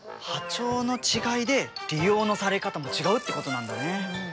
波長の違いで利用のされ方も違うってことなんだね。